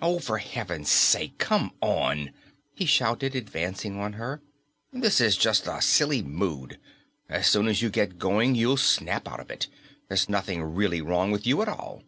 "Oh, for heaven's sake, come on!" he shouted, advancing on her. "This is just a silly mood. As soon as you get going, you'll snap out of it. There's nothing really wrong with you at all."